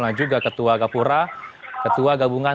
dan juga ketua gapura ketua gabungan